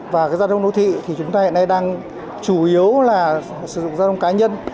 và giao thông đô thị thì chúng ta hiện nay đang chủ yếu là sử dụng giao thông cá nhân